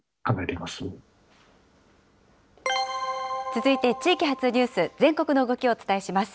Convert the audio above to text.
続いて地域発ニュース、全国の動きをお伝えします。